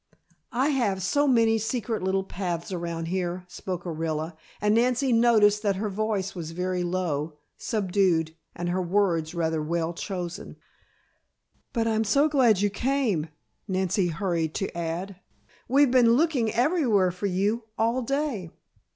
I have so many secret little paths around here," spoke Orilla, and Nancy noticed that her voice was very low, subdued, and her words rather well chosen. "But I'm so glad you came," Nancy hurried to add. "We've been looking everywhere for you, all day."